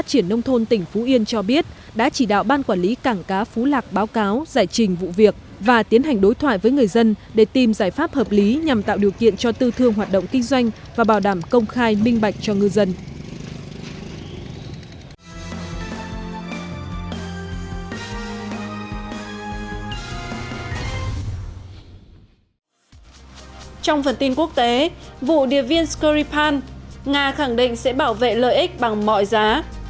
trong phần tin quốc tế vụ điệp viên skripal nga khẳng định sẽ bảo vệ lợi ích bằng mọi giá